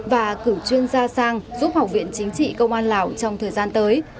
và cử chuyên gia sang giúp học viện chính trị công an lào trong thời gian tới